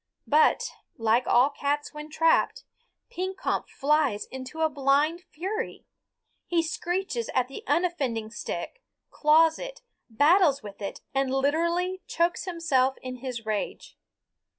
But, like all cats when trapped, Pekompf flies into a blind fury. He screeches at the unoffending stick, claws it, battles with it, and literally chokes himself in his rage.